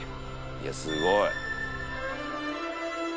「いやすごい！」